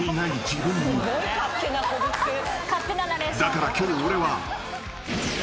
［だから今日俺は］